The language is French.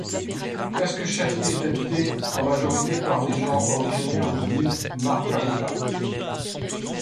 Presque chaque île est habitée, en majorité par des gens originaires de l'île Margarita.